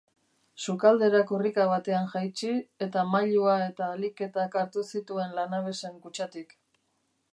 Sukaldera korrika batean jaitsi, eta mailua eta aliketak hartu zituen lanabesen kutxatik.